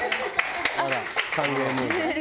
「あら歓迎ムード」